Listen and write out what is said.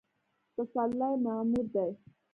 پسرلی معمور دی